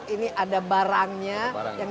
ini ada barangnya yang